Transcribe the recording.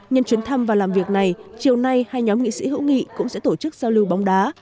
nhân chuyến thăm và làm việc này chiều nay hai nhóm nghị sĩ hữu nghị cũng sẽ tổ chức giao lưu bóng đá